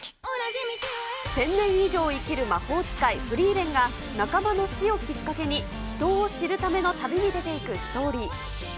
１０００年以上生きる魔法使い、フリーレンが、仲間の死をきっかけに人を知るための旅に出ていくストーリー。